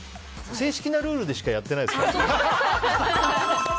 正式なルールでしかやってないです。